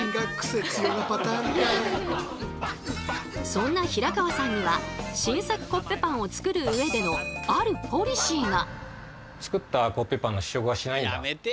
そんな平川さんには新作コッペパンを作る上でのあるポリシーが！